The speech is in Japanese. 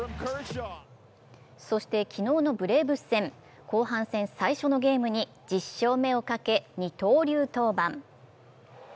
そして、昨日のブレーブス戦、後半戦最初のゲームに１０勝目をかけ二刀流登板。